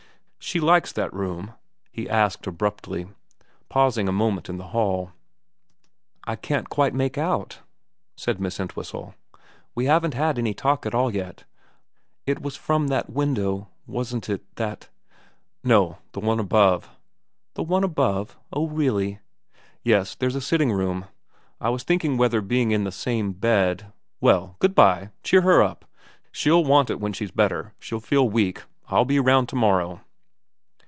' She likes that room ?' he asked abruptly, pausing a moment in the hall. ' I can't quite make out,' said Miss Entwhistle. 4 We haven't had any talk at all yet. It was from that window, wasn't it, that ?' VERA 321 * No. The one above/ ' The one above ? Oh really.' ' Yes. There's a sitting room. But I was thinking whether being in the same bed well, good bye. Cheer her up. She'll want it when she's better. She'll feel weak. I'll be round to morrow.'